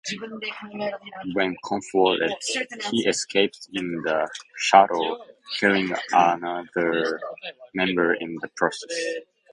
When confronted he escapes in the shuttle, killing another member in the process.